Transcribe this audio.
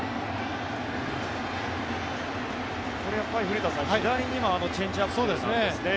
これは古田さん、左にはチェンジアップなんですね。